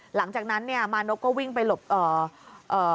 หลังจากนั้นเนี่ยมานพก็วิ่งไปหลบเอ่อเอ่อ